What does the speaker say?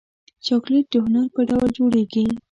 چاکلېټ د هنر په ډول جوړېږي.